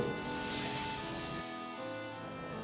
ini anak kita